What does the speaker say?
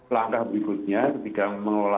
langkah berikutnya ketika mengelola